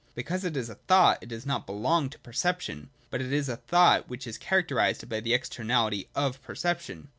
Because it is a thought, it does not belong to perception : but it is a thought which is characterised by the externality of perception.